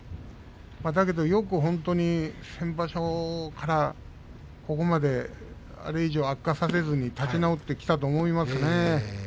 だけどよく本当に先場所からここまであれ以上悪化させずに立ち直ってきたと思いますね。